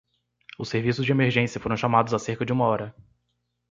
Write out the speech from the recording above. Os serviços de emergência foram chamados há cerca de uma hora.